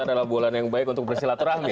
adalah bulan yang baik untuk bersilaturahmi